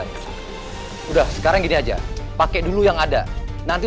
sudah datang kau rupanya